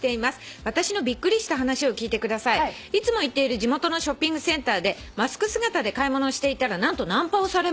「私のびっくりした話を聞いてください」「いつも行っている地元のショッピングセンターでマスク姿で買い物をしていたら何とナンパをされました」